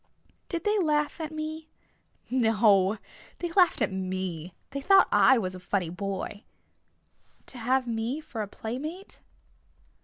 "Did they laugh at me?" "... No, they laughed at me. They thought I was a funny boy." "To have me for a playmate?"